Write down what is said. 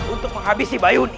untuk menghabisi bayuni